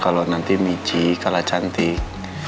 kalau nanti michi kalah cantik